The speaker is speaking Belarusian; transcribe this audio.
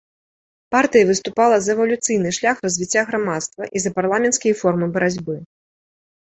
Партыя выступала за эвалюцыйны шлях развіцця грамадства і за парламенцкія формы барацьбы.